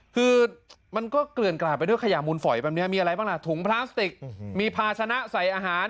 คือมันก็เกลื่อนกลาดไปด้วยขยะมูลฝอยแบบนี้มีอะไรบ้างล่ะถุงพลาสติกมีภาชนะใส่อาหาร